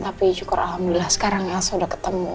tapi syukur alhamdulillah sekarang elsa udah ketemu